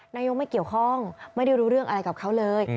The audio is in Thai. นายกไม่เกี่ยวข้องไม่ได้รู้เรื่องอะไรกับเขาเลย